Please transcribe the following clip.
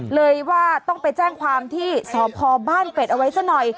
เลยว่าต้องไปแจ้งความที่สพบ้านเป็ดเอาไว้ซะหน่อย